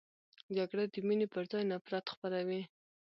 جګړه د مینې پر ځای نفرت خپروي